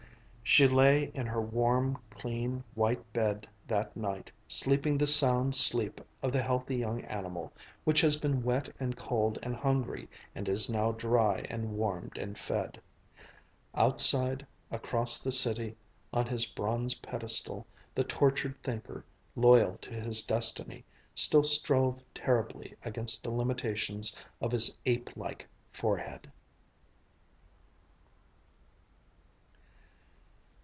She lay in her warm, clean white bed that night, sleeping the sound sleep of the healthy young animal which has been wet and cold and hungry, and is now dry and warmed and fed. Outside, across the city, on his bronze pedestal, the tortured Thinker, loyal to his destiny, still strove terribly against the limitations of his ape like forehead.